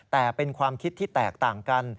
แต่เป็นความคิดที่แตกต่างกัน